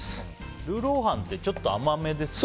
ルーロー飯ってちょっと甘めですよね。